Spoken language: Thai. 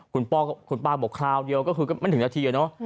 คุณพ่อบอกคราวเดียวมันถึงนาทีแล้ว